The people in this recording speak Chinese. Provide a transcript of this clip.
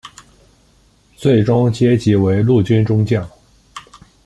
最终阶级为陆军中将。